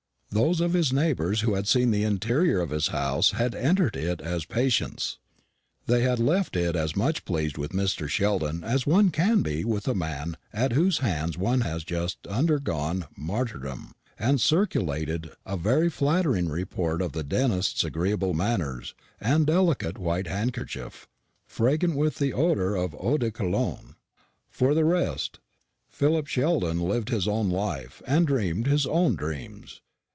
Those of his neighbours who had seen the interior of his house had entered it as patients. They left it as much pleased with Mr. Sheldon as one can be with a man at whose hands one has just undergone martyrdom, and circulated a very flattering report of the dentist's agreeable manners and delicate white handkerchief, fragrant with the odour of eau de Cologne. For the rest, Philip Sheldon lived his own life, and dreamed his own dreams.